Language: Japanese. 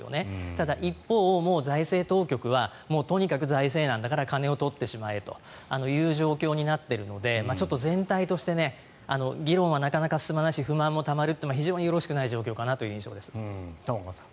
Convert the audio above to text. ただ、一方、もう財政当局はとにかく財政難だから金を取ってしまえという状況になっているので全体として議論はなかなか進まないし不満もたまるという非常によろしくない状況かなという印象です。